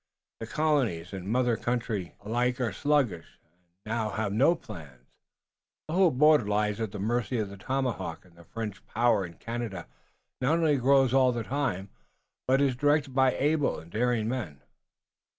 The colonies and mother country alike are sluggish, and now have no plans, the whole border lies at the mercy of the tomahawk and the French power in Canada not only grows all the time, but is directed by able and daring men."